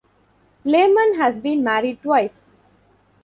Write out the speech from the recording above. Lemann has been married twice.